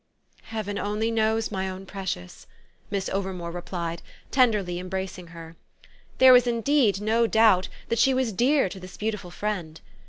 "Heaven only knows, my own precious!" Miss Overmore replied, tenderly embracing her. There was indeed no doubt that she was dear to this beautiful friend.